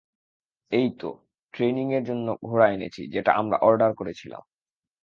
এইতো, ট্রেইনিং-এর জন্য ঘোড়া এনেছি যেটা আমরা অর্ডার করেছিলাম।